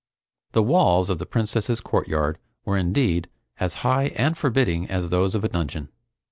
The walls of the Princess's courtyard were indeed as high and forbidding as those of a dungeon.